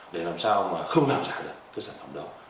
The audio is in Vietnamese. thì nhà máy đã gắn mã qr cho từng sản phẩm